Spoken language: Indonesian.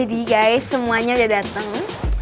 jadi guys semuanya udah dateng